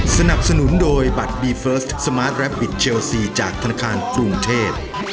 สนับสนุนโดยบัตรบีเฟิร์สสมาร์ทแรปิตเชลซีจากธนาคารกรุงเทพ